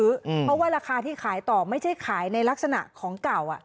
เพราะว่าราคาที่ขายต่อไม่ใช่ขายในลักษณะของเก่า